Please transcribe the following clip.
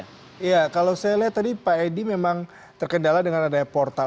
iya kalau saya lihat tadi pak edi memang terkendala dengan adanya portal